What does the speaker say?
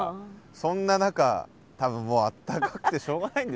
そんな中多分もうあったかくてしょうがないんでしょうね。